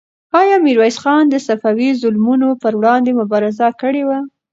آیا میرویس خان د صفوي ظلمونو پر وړاندې مبارزه کړې وه؟